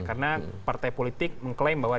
karena partai politik mengklaim bahwa